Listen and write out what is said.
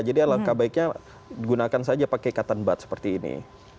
jadi ya langkah baiknya gunakan saja pakai cotton bud seperti ini